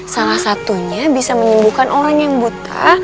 salah satunya bisa menyembuhkan orang yang buta